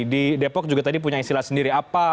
di depok juga tadi punya istilah sendiri